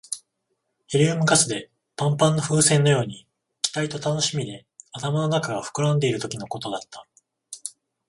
ヘリウムガスでパンパンの風船のように、期待と楽しみで頭の中が膨らんでいるときのことだった。